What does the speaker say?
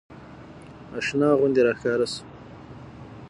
اشنا غوندې راښکاره سو.